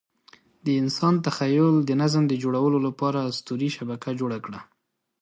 د انسان تخیل د نظم د جوړولو لپاره اسطوري شبکه جوړه کړه.